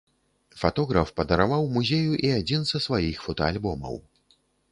Фатограф падараваў музею і адзін са сваіх фотаальбомаў.